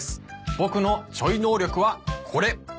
ボクのちょい能力はこれ！